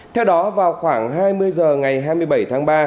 theo đó vào khoảng hai mươi h ngày hai mươi bảy tháng ba